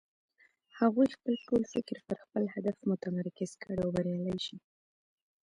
هغوی خپل ټول فکر پر خپل هدف متمرکز کړي او بريالی شي.